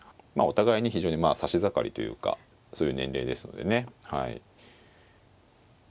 まあお互いに非常にまあ指し盛りというかそういう年齢ですのでねはい。